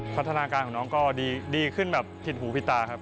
พัฒนาการของน้องก็ดีขึ้นแบบผิดหูผิดตาครับ